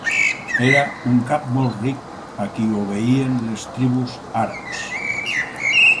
Era un cap molt ric a qui obeïen les tribus àrabs.